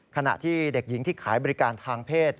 ขณะที่เด็กหญิงที่ขายบริการทางเพศ